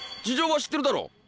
事情は知ってるだろ！